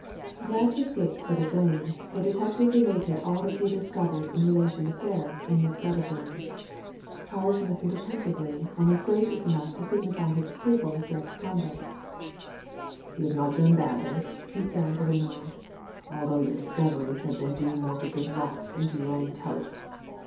Glad to escape further blame, the detective related all he had discovered in relation to Ferris and Miss Wedderburn. Parge listened attentively, and was gracious enough to signify his approval of Gebb's conduct You have not done badly/' he said, with a nod. "Although your discoveries have been due more to good luck than to your own intelligence.